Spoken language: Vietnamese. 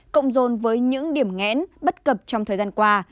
cộng dồn với những điểm ngẽn bất cập trong thời gian qua